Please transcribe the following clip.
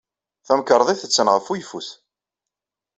Tamkarḍit attan ɣef uyeffus.